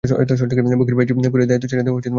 বুকের প্যাচ পুড়িয়ে দায়িত্ব ছেড়ে দেয়া উচিত ছিল ওর।